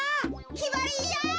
きばりぃや！